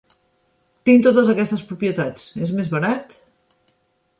Tinc totes aquestes propietats, és més barat?